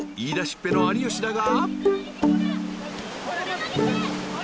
っぺの有吉だが］